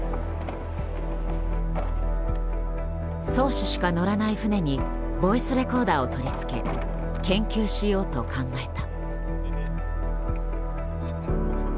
漕手しか乗らない船にボイスレコーダーを取り付け研究しようと考えた。